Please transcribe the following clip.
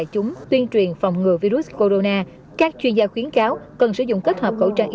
chúng tuyên truyền phòng ngừa virus corona các chuyên gia khuyến cáo cần sử dụng kết hợp khẩu trang